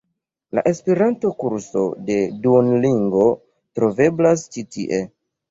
La Esperanto-kurso de Duolingo troveblas ĉi tie.